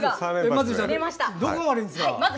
まずどこが悪いんですか？